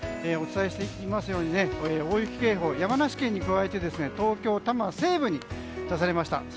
お伝えしていますように大雪警報山梨県に加えて東京・多摩西部に出されました。